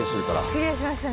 クリアしましたね。